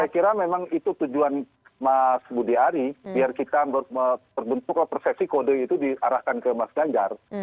saya kira memang itu tujuan mas budi ari biar kita terbentuklah persepsi kode itu diarahkan ke mas ganjar